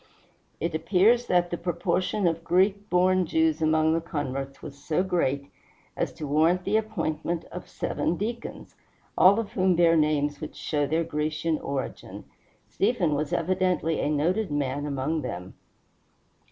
It appears that the proportion of Greek born Jews among the converts was so great as to warrant the appointment of seven deacons, all of whom bear names which show their Grecian origin. Stephen was evidently a noted man among them.